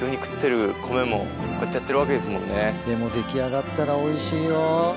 でも出来上がったらおいしいよ。